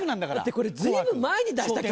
これ随分前に出した曲だろ？